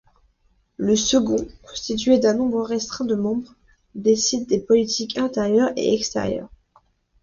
Le second, constitué d'un nombre restreint de membres, décide des politiques intérieure et extérieure.